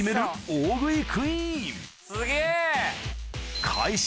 大食いクイーンすげぇ。